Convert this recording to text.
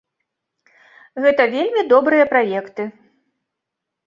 Гэта вельмі добрыя праекты.